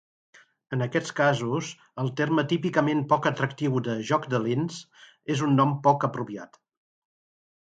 En aquests casos, el terme típicament poc atractiu de "joc de lents" és un nom poc apropiat.